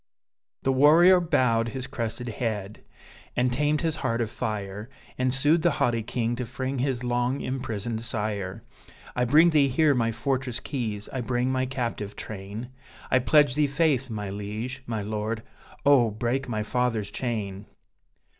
The warrior bowed his crested head, and tamed his heart of fire, And sued the haughty king to free his long imprisoned sire: "I bring thee here my fortress keys, I bring my captive train, I pledge thee faith, my liege, my lord! oh, break my father's chain!"